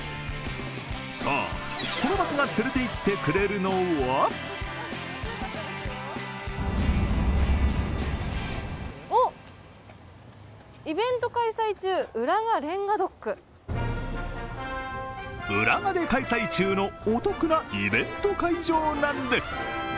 さあ、このバスが連れていってくれるのは浦賀で開催中のお得なイベント会場なんです。